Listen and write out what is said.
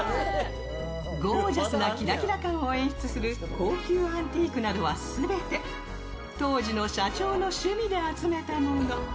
ゴージャスなキラキラ感を演出する高級アンティークなどは全て当時の社長の趣味で集めたもの。